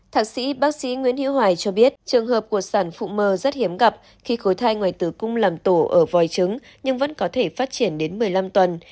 thạc sĩ bác sĩ nguyễn hiễu hoài cho biết trường hợp của sản phụ mờ rất hiếm gặp khi khối thai ngoài tử cung làm tổ ở vòi trứng nhưng vẫn có thể phát triển đến một mươi năm tuần